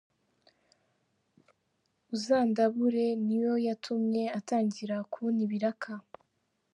Uzandabure’ niyo yatumye atangira kubona ibiraka.